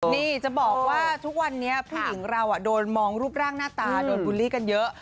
นี่จะบอกว่าทุกวันนี้ผู้หญิงเราโดนมองรูปร่างหน้าตาโดนบูลลี่กันเยอะ